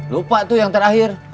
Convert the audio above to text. lupa tuh yang terakhir